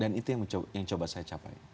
dan itu yang mencoba saya capai